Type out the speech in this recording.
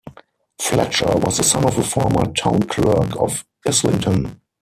Fletcher was the son of a former town clerk of Islington.